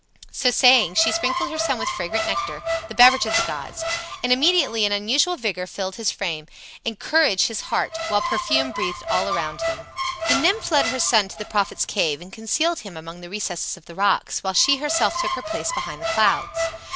So saying she sprinkled her son with fragrant nectar, the beverage of the gods, and immediately an unusual vigor filled his frame, and courage his heart, while perfume breathed all around him. The nymph led her son to the prophet's cave and concealed him among the recesses of the rocks, while she herself took her place behind the clouds.